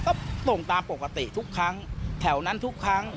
ก็ส่งตามปกติทุกครั้งแถวนั้นทุกครั้ง